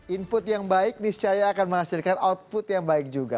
input yang baik niscaya akan menghasilkan output yang baik juga